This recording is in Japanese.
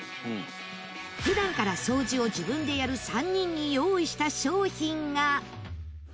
普段から掃除を自分でやる３人に用意した商品が横尾：